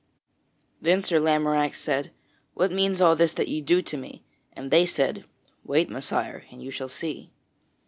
Then Sir Lamorack said, "What means all this that ye do to me?" And they said, "Wait, Messire, and you shall see."